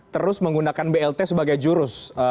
terus menggunakan blt sebagai jurus